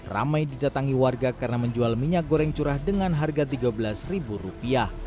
ramai didatangi warga karena menjual minyak goreng curah dengan harga rp tiga belas